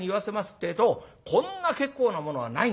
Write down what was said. ってえとこんな結構なものはないんだと。